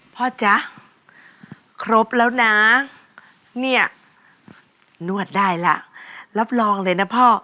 จ๊ะครบแล้วนะเนี่ยนวดได้ล่ะรับรองเลยนะพ่อ